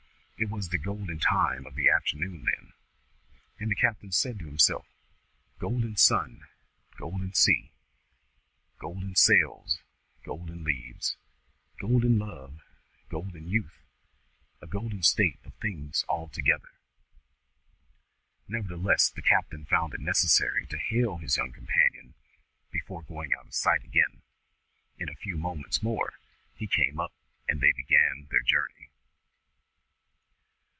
It was the golden time of the afternoon then, and the captain said to himself, "Golden sun, golden sea, golden sails, golden leaves, golden love, golden youth, a golden state of things altogether!" Nevertheless the captain found it necessary to hail his young companion before going out of sight again. In a few moments more he came up and they began their journey.